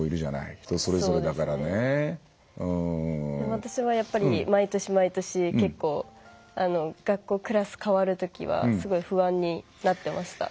私はやっぱり毎年毎年結構学校クラス代わる時はすごい不安になってました。